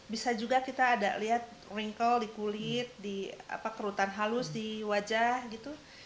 bisa juga kita ada lihat rinkle di kulit di kerutan halus di wajah gitu